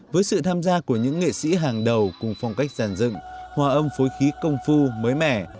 với sự tham gia của những nghệ sĩ hàng đầu cùng phong cách giản dựng hòa âm phối khí công phu mới mẻ